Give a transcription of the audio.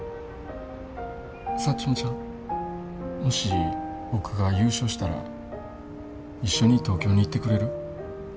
もし僕が優勝したら一緒に東京に行ってくれる？